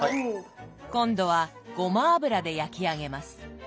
今度はごま油で焼き上げます。